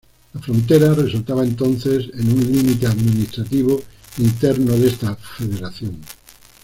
La frontera resultaba entonces en un límite administrativo interno de esta federación.